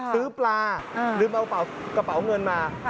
ซื้อปลาลืมเอากระเป๋าเงินมา